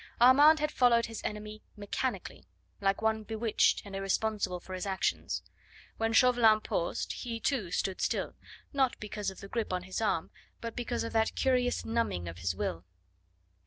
Armand had followed his enemy mechanically like one bewitched and irresponsible for his actions. When Chauvelin paused he too stood still, not because of the grip on his arm, but because of that curious numbing of his will.